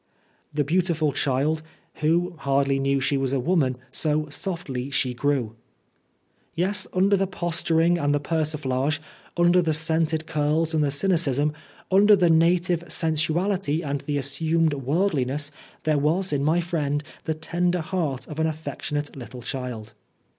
The beautiful child " who hardly knew She was a woman, So softly she grew " Yes, under the posturing and the persiflage, under the scented curls and the cynicism, under the native sensuality and the assumed worldliness, there was in my friend the tender heart of an affectionate little child.